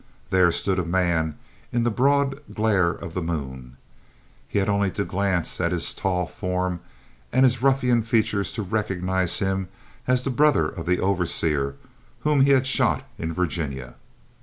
There stood a man in the broad glare of the moon. He had only to glance at his tall form and his ruffian features to recognize him as the brother of the overseer whom he had shot in Virginia.